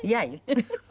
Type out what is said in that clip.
フフフフ！